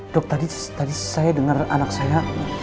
dok tadi saya dengar anak saya